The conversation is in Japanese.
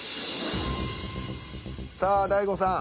さあ大悟さん